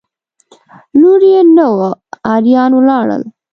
لور یې نه وه اریان ولاړل.